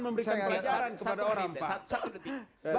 dan memberikan pelajaran kepada orang pak